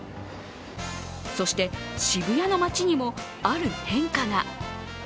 そして、渋谷の街にもある変化が。